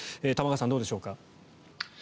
玉川さん、どうでしょうか。